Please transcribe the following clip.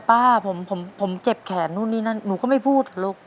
ป้าผมเจ็บแขนนู่นนี่นั่นหนูก็ไม่พูดลูก